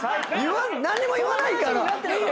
何にも言わないから。